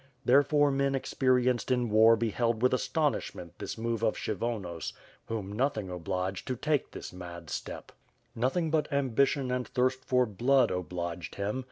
Therefore men experi enced in war beheld with astonishment this move of Kshy vonos whom nothing obliged to take this mad step. Nothing but ambition and thirst for blood, obliged him.